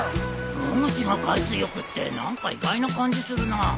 野口が海水浴って何か意外な感じするな。